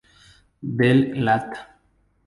Del lat.